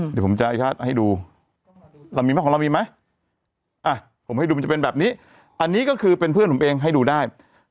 เดี๋ยวผมจะให้ดูเรามีไหมของเรามีไหมอ่ะผมให้ดูมันจะเป็นแบบนี้อันนี้ก็คือเป็นเพื่อนผมเองให้ดูได้